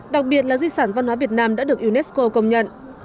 đặc biệt là di sản văn hóa việt nam đã được unesco công nhận